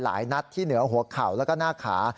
หลายนัดที่เหนือหัวเข่าแล้วก็หน้าขา